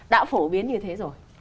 đã phổ biến như thế rồi